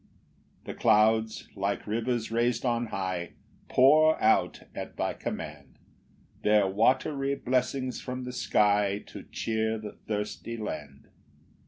2 The clouds, like rivers rais'd on high, Pour out, at thy command, Their watery blessings from the sky, To cheer the thirsty land.